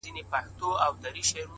زحمت د موخو د رسېدو پل دی؛